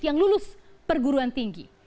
yang lulus perguruan tinggi